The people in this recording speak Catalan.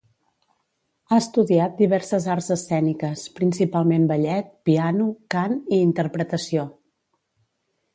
Ha estudiat diverses arts escèniques, principalment ballet, piano, cant i interpretació.